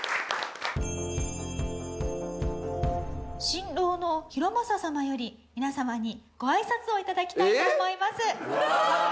新郎の裕政様より皆様にごあいさつをいただきたいと思います。